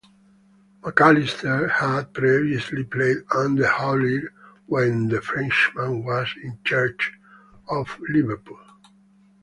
McAllister had previously played under Houllier when the Frenchman was in charge of Liverpool.